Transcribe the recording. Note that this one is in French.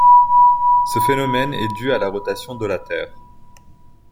Ce phénomène est dû à la rotation de la Terre.